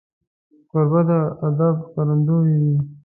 کوربه د ادب ښکارندوی وي.